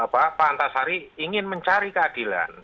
pak antasari ingin mencari keadilan